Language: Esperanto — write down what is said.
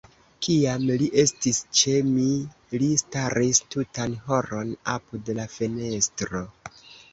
Kiam li estis ĉe mi, li staris tutan horon apud la fenestro.